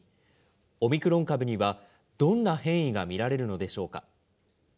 オミクロン株にはどんな変異が見られるのでしょうか。